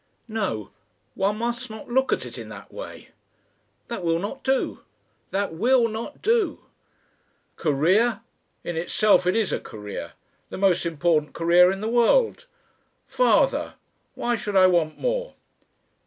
"No! One must not look at it in that way! That will not do! That will not do. "Career! In itself it is a career the most important career in the world. Father! Why should I want more?